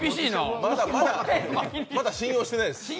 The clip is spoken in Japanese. まだ信用してないです。